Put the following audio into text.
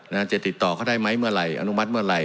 จะติดต่อเขาได้ไหมเมื่อไหร่อนุมัติเมื่อไหร